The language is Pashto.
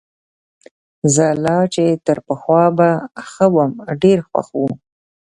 زه لا چي تر پخوا به ښه وم، ډېر خوښ وو.